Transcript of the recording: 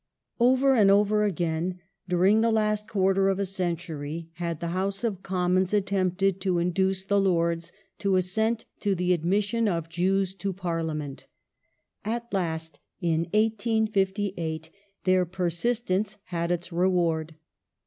Over and over again, during the last quarter of a century, had Admission the House of Commons attempted to induce the Lords to assent p^rfi^.^ '° to the admission of Jews to Parliament. At last, in 1858, their ment persistence had its reward.